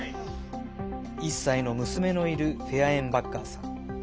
１歳の娘のいるフェアエンバッカーさん。